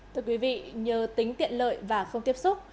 thưa quý vị nhờ tính tiện lợi và không tiếp xúc